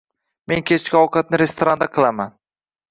Men kechki ovqatni restoranda qilaman.